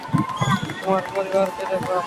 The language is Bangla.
তোমার পরিবারকে দেখো।